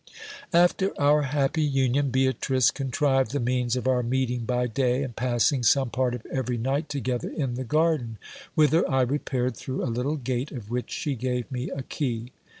After our happy union, Beatrice contrived the means of our meeting by day, and passing some part of every night together in the garden, whither I repaired through a little gate of which she gave me a key.